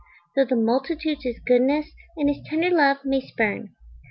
Though the multitudes his goodness And his tender love may spurn.